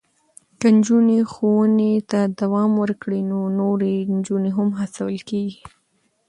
که نجونې ښوونې ته دوام ورکړي، نو نورې نجونې هم هڅول کېږي.